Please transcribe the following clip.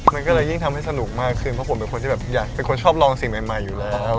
มันก็เลยยิ่งทำให้สนุกมากขึ้นเพราะผมเป็นคนที่แบบอยากเป็นคนชอบลองสิ่งใหม่อยู่แล้ว